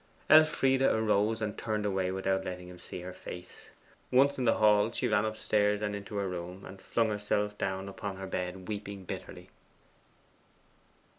Elfride arose and turned away without letting him see her face. Once in the hall she ran upstairs and into her room, and flung herself down upon her bed, weeping bitterly.